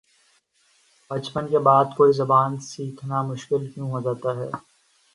بچپن کے بعد کوئی زبان سیکھنا مشکل کیوں ہوجاتا ہے